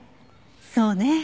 そうね。